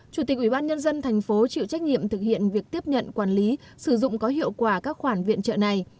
chủ tịch ủy ban nhân dân thành phố chịu trách nhiệm thực hiện việc tiếp nhận quản lý sử dụng có hiệu quả các khoản viện trợ này